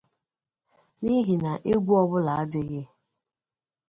n'ihi na egwu ọbụla adịghị.